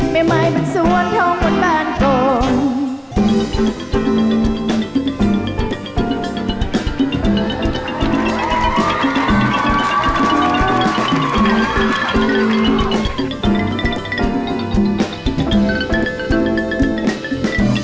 ไม่มายบรรสวนทองหมดบ้านกง